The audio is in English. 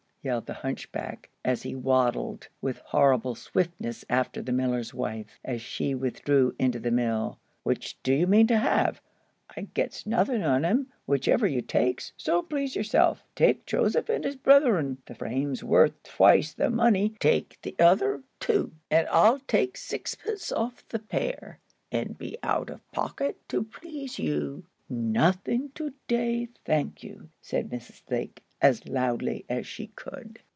yelled the hunchback, as he waddled with horrible swiftness after the miller's wife, as she withdrew into the mill; "which do you mean to have? I gets nothing on 'em, whichever you takes, so please yourself. Take 'Joseph and his Bretheren.' The frame's worth twice the money. Take the other, too, and I'll take sixpence off the pair, and be out of pocket to please you." "Nothing to day, thank you!" said Mrs. Lake, as loudly as she could.